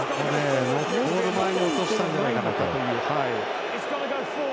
前に落としたんじゃないかという。